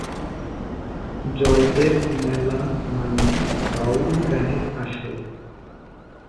জয়দেব মেলা মানেই বাউল গানের আসর।